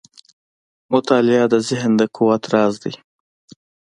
• مطالعه د ذهن د قوت راز دی.